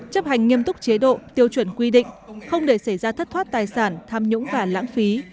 chấp hành nghiêm túc chế độ tiêu chuẩn quy định không để xảy ra thất thoát tài sản tham nhũng và lãng phí